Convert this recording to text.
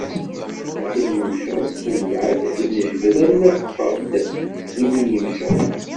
Ad tt-id-nmecceḍ, umbeɛd ad tt-id-njebbed, alma teffeɣ-d seg yimi n yimceḍ.